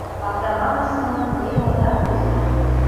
Атаманыч нуным эн ондак ужо.